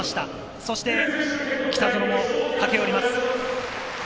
そして北園も駆け寄ります。